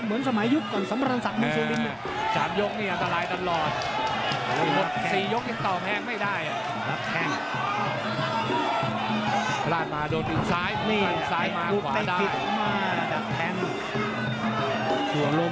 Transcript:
เหมือนสมัยยุคก่อนสมรรณศักดิ์นี้แหม่นี่ทั้ง